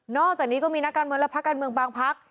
อกจากนี้ก็มีนักการเมืองและพักการเมืองบางพัก